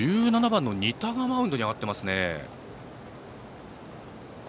１７番の仁田がマウンドに上がっています。